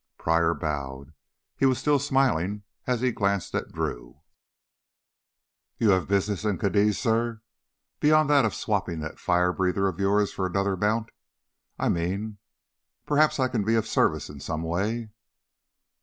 Pryor bowed. He was still smiling as he glanced at Drew. "You have business in Cadiz, suh? Beyond that of swapping that firebreather of yours for another mount, I mean? Perhaps I can be of service in some other way...."